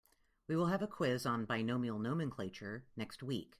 We will have a quiz on binomial nomenclature next week.